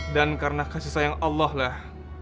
dan karena kasih sayang allah lah